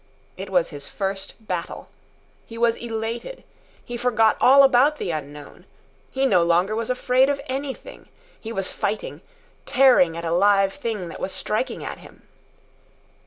It was his first battle. He was elated. He forgot all about the unknown. He no longer was afraid of anything. He was fighting, tearing at a live thing that was striking at him.